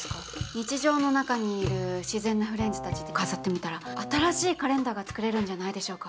日常の中にいる自然なフレンズたちで飾ってみたら新しいカレンダーが作れるんじゃないでしょうか。